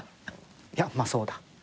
いやまあそうだ。